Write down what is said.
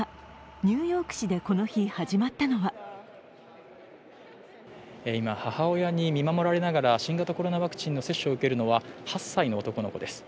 ニューヨーク市でこの日始まったのは今、母親に見守られながら新型コロナワクチンの接種を受けるのは８歳の男の子です。